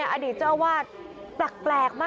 หัวเตียงค่ะหัวเตียงค่ะ